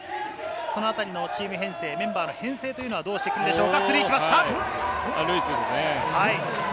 そのあたりのチーム編成、メンバーの編成というのはどうしていくんでしょうか？